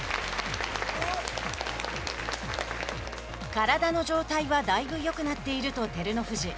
体の状態はだいぶよくなっていると照ノ富士。